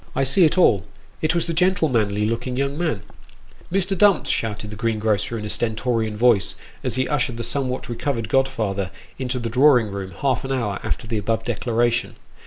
I see it all : it was the gentlemanly looking young man !"" Mr. Dumps !" shouted the greengrocer in a stentorian voice, as he ushered the somewhat recovered godfather into the drawing room half an hour after the above declaration.